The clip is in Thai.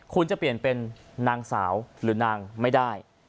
คุณจะเปลี่ยนเป็นนางสาวหรือนางไม่ได้